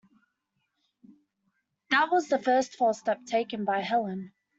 That was the first false step taken by Helene.